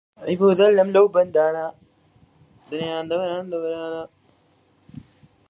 ئەم تەلەفۆنەم دەوێت.